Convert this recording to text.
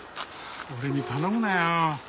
俺に頼むなよ。